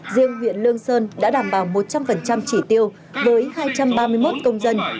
riêng huyện lương sơn đã đảm bảo một trăm linh chỉ tiêu với hai trăm ba mươi một công dân